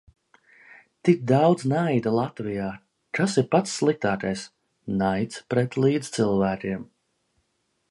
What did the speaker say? Tik daudz naida Latvijā, kas ir pats sliktākais - naids pret līdzcilvēkiem.